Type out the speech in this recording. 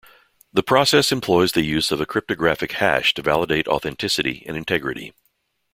The process employs the use of a cryptographic hash to validate authenticity and integrity.